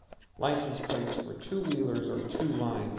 License plates for two-wheelers are two-lined.